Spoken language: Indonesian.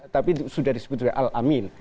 tapi sudah disebut juga al amin